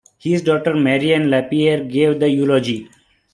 His daughter Marie-Anne Lapierre gave the eulogy.